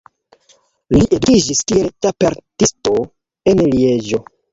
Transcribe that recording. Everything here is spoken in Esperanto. Li edukiĝis kiel ĉarpentisto en Lieĝo.